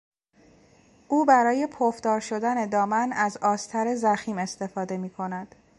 او برای پفدار شدن دامن از آستر ضخیم استفاده میکند.